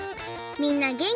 みんなげんき？